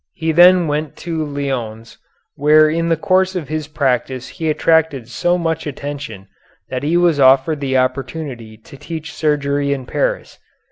He then went to Lyons, where in the course of his practice he attracted so much attention that he was offered the opportunity to teach surgery in Paris.